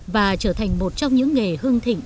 và trở thành một trong những nghề hương thịnh